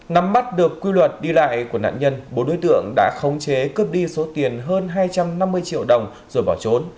nắm bắt được quy luật đi lại của nạn nhân bốn đối tượng đã khống chế cướp đi số tiền hơn hai trăm năm mươi triệu đồng rồi bỏ trốn